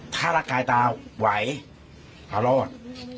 ถ้าร่างกายตาไหวตารอด